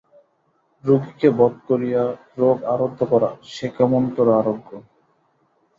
রোগীকে বধ করিয়া রোগ আরোগ্য করা সে কেমনতরো আরোগ্য?